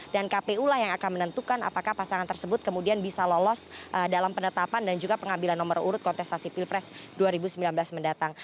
dan kpu lah yang akan menentukan apakah pasangan tersebut kemudian bisa lolos dalam penetapan dan juga pengambilan nomor urut kontestasi pilpres dua ribu sembilan belas mendatang